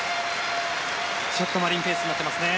ちょっとマリンペースになってますね。